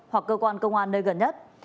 hoặc cơ quan công an nơi gần nhất